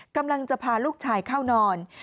กำลังจะพาลูกชายเข้านอน